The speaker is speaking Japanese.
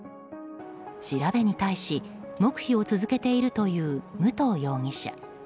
調べに対し黙秘を続けているという武藤容疑者。